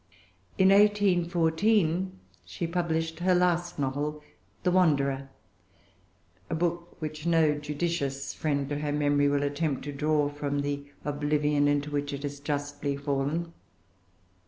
In 1814 she published her last novel, The Wanderer, a book which no judicious friend to her memory will attempt to draw from the oblivion into which it has justly fallen.